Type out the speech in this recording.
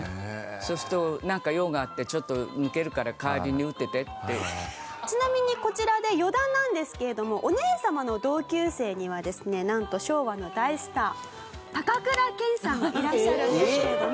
そうするとなんか用があってちょっと抜けるからちなみにこちらで余談なんですけれどもお姉様の同級生にはですねなんと昭和の大スター高倉健さんがいらっしゃるんですけれども。